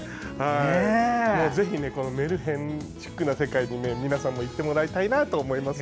ぜひメルヘンチックな世界に皆さんも行ってもらいたいなと思います。